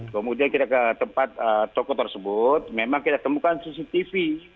kemudian kita ke tempat toko tersebut memang kita temukan cctv